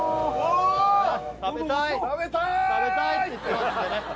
食べたいって言ってますんでね